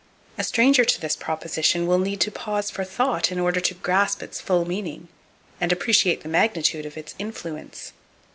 A stranger to this proposition will need to pause for thought in order to grasp its full meaning, and appreciate the magnitude of its influence.